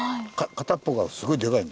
片っぽがすごいデカいの。